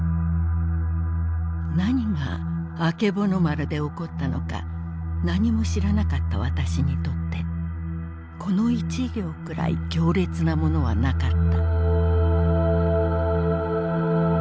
なにが『あけぼの丸』で起ったのかなにも知らなかった私にとってこの一行くらい強烈なものはなかった」。